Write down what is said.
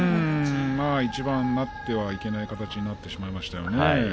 いちばんなってはいけない形になってしまいましたね。